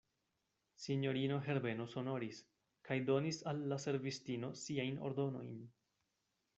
Sinjorino Herbeno sonoris, kaj donis al la servistino siajn ordonojn.